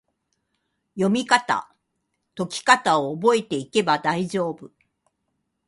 読みかた・解きかたを覚えていけば大丈夫！